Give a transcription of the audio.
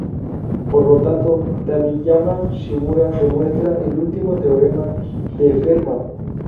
Por lo tanto, Taniyama-Shimura demuestra el último teorema de Fermat.